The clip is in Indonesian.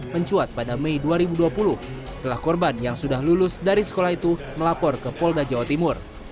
mencuat pada mei dua ribu dua puluh setelah korban yang sudah lulus dari sekolah itu melapor ke polda jawa timur